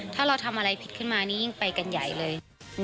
ถ้าเราทำอะไรผิดขึ้นมานี่ยิ่งไปกันใหญ่เลย